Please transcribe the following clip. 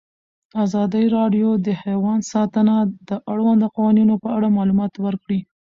ازادي راډیو د حیوان ساتنه د اړونده قوانینو په اړه معلومات ورکړي.